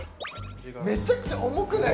めちゃくちゃ重くない？